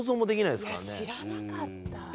いや知らなかった。